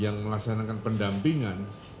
yang melaksanakan pendampingan